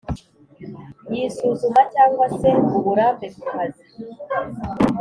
y’isuzuma cyangwa se uburambe ku kazi